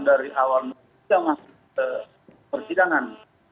dari awal kita masuk ke persidangan